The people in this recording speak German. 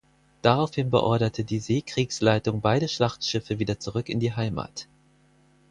Daraufhin beorderte die Seekriegsleitung beide Schlachtschiffe wieder zurück in die Heimat.